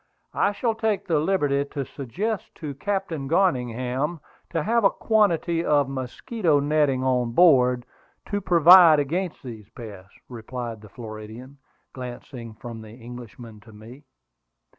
I shall take the liberty to suggest to Captain Garningham to have a quantity of mosquito netting on board, to provide against these pests," replied the Floridian, glancing from the Englishman to me.